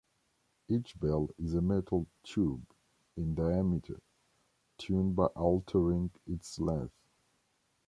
Each bell is a metal tube, in diameter, tuned by altering its length.